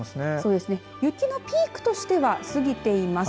雪のピークとしては過ぎています。